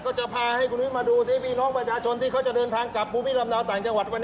แต่ว่าไม่เคยเห็นแบบข้างในจริงว่าเขานั่งกันอย่างไรแบบไหน